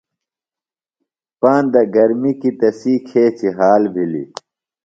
پاندہ گرمی کیۡ تسی کھیچیۡ حال بِھلیۡ۔